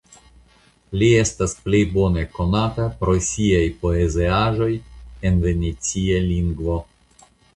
Li estas plej bone konata pro sia poeziaĵoj en venecia lingvo.